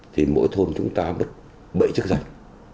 thì mỗi thôn chúng ta mất bảy chức danh